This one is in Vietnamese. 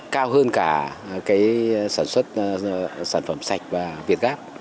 cao hơn cả sản xuất sản phẩm sạch và việt gáp